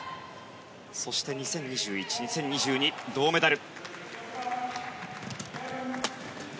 そして２０２１、２０２２銅メダル。